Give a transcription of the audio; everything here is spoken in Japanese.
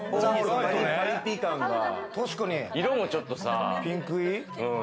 色もちょっとさ、ピンク。